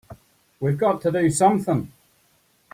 We've got to do something!